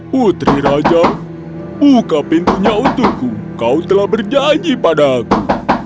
putri raja buka pintunya untukku kau telah berjanji padaku